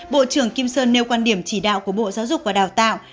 bộ trưởng kim sơn nêu quan điểm chỉ đạo của bộ giáo dục và đào tạo